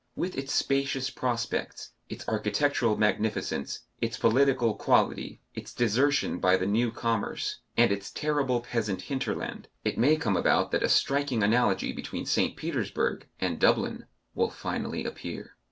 With its spacious prospects, its architectural magnificence, its political quality, its desertion by the new commerce, and its terrible peasant hinterland, it may come about that a striking analogy between St. Petersburg and Dublin will finally appear.